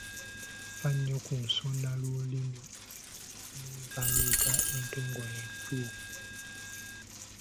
Fa nnyo ku nsonalulimi n’empandiika entongole etuuke